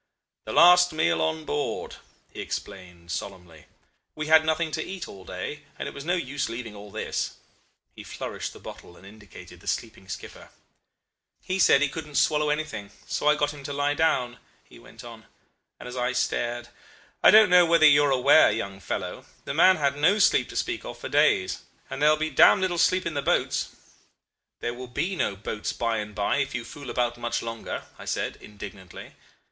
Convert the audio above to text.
'The last meal on board,' he explained solemnly. 'We had nothing to eat all day, and it was no use leaving all this.' He flourished the bottle and indicated the sleeping skipper. 'He said he couldn't swallow anything, so I got him to lie down,' he went on; and as I stared, 'I don't know whether you are aware, young fellow, the man had no sleep to speak of for days and there will be dam' little sleep in the boats.' 'There will be no boats by and by if you fool about much longer,' I said, indignantly.